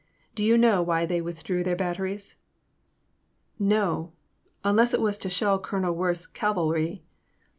Do you know why they withdrew their batteries ?"No, — unless it was to shell Colonel Worth's cavalry.